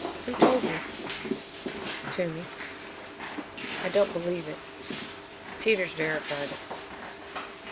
"Who told you?" "Toomey." "I don't believe it!" "Teeters verified it."